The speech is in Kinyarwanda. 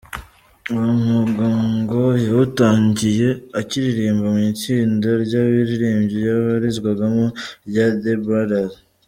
Uwo mwuga ngo yawutangiye akiririmba mu itsinda ry’abaririmbyi yabarizwagamo rya The Brothers.